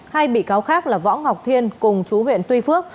hai bị cáo khác là võ ngọc thiên cùng chú huyện tuy phước